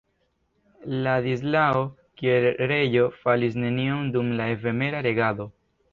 Ladislao, kiel reĝo, faris nenion dum la efemera regado.